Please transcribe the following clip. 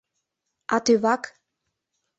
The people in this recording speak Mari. — А тӧвак!